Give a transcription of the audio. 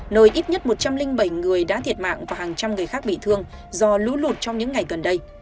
nơi ít nhất một trăm linh bảy người đã thiệt mạng và hàng trăm người khác bị thương do lũ lụt trong những ngày gần đây